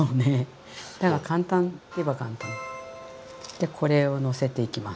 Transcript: でこれをのせていきます。